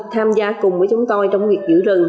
tham gia cùng với chúng tôi trong việc giữ rừng